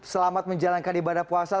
selamat menjalankan ibadah puasa